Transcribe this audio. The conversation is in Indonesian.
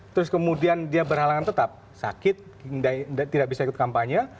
terus kemudian dia berhalangan tetap sakit tidak bisa ikut kampanye